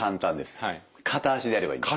片足でやればいいんです。